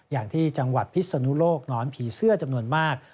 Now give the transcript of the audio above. อย่างที่จังหวัดพิศนุโลกหนอนผีเสื้อจำนวนมาก